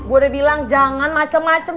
gue udah bilang jangan macem macem